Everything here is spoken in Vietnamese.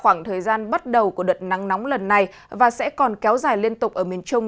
khoảng thời gian bắt đầu của đợt nắng nóng lần này và sẽ còn kéo dài liên tục ở miền trung